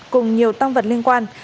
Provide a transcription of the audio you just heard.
cùng nhiều tăng vật liên quan